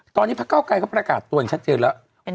ตอนนี้พระเก้าไกรเขาประกาศตัวอย่างชัดเจนแล้ว